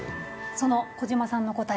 その児嶋さんの答え。